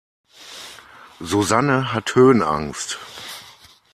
Susanne hat Höhenangst.